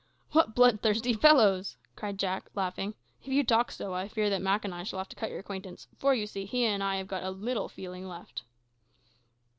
"What bloodthirsty fellows!" cried Jack, laughing. "If you talk so, I fear that Mak and I shall have to cut your acquaintance; for, you see, he and I have got a little feeling left."